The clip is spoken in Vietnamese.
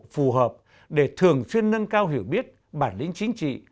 phù hợp để thường xuyên nâng cao hiểu biết bản lĩnh chính trị